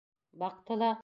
Баҡты ла...